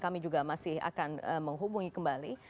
kami juga masih akan menghubungi kembali